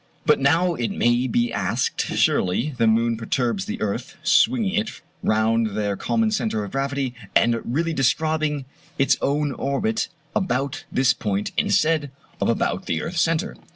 But now it may be asked, surely the moon perturbs the earth, swinging it round their common centre of gravity, and really describing its own orbit about this point instead of about the earth's centre?